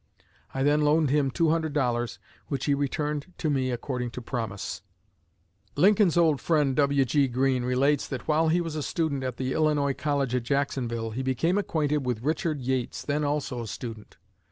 I then loaned him two hundred dollars, which he returned to me according to promise." Lincoln's old friend W.G. Greene relates that while he was a student at the Illinois College at Jacksonville he became acquainted with Richard Yates, then also a student.